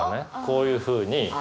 こういうふうに。